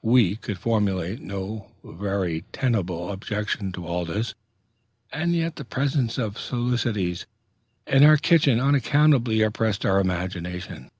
We could formulate no very tenable objection to all this, and yet the presence of Thucydides in our kitchen unaccountably oppressed our imaginations.